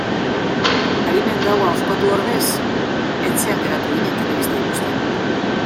Arimen gaua ospatu ordez etxean geratu ginen telebista ikusten.